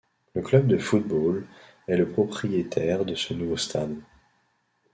Le club de football est le propriétaire de ce nouveau stade.